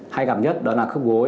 hay cảm nhất đó là khớp gối